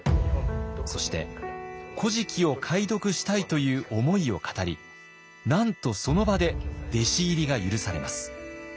そして「古事記」を解読したいという思いを語りなんとその場で弟子入りが許されます。